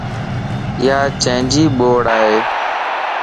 ياچيجي ٻوڙائي